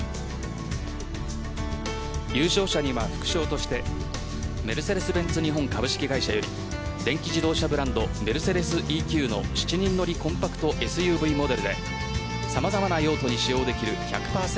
優勝者には副賞としてメルセデス・ベンツ日本株式会社より電気自動車ブランドＭｅｒｃｅｄｅｓ‐ＥＱの７人乗りコンパクトＳＵＶモデルで様々な用途に使用できる１００％